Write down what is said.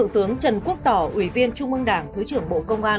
tổng thư ký liên hợp quốc